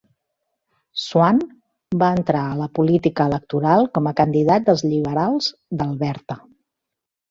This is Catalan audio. Swann va entrar a la política electoral com a candidat dels liberals d'Alberta.